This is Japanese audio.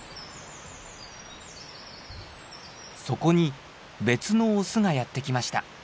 そこに別のオスがやって来ました。